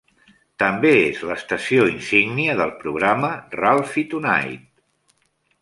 També és l'estació insígnia del programa "Ralphie Tonight".